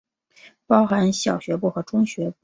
包含小学部和中学部。